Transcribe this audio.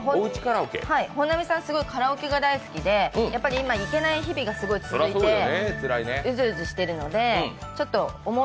本並さん、すごいカラオケが大好きでやっぱり今、行けない日々が続いてうずうずしているので思う